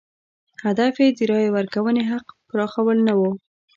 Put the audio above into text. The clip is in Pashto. هدف یې د رایې ورکونې حق پراخوال نه و.